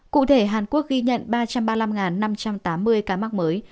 cụ thể hàn quốc ghi nhận ba trăm ba mươi năm năm trăm tám mươi ca mắc mới